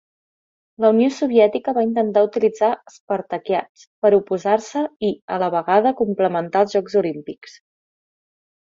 La Unió Soviètica va intentar utilitzar Spartakiads per oposar-se i, a la vegada, complementar els Jocs Olímpics.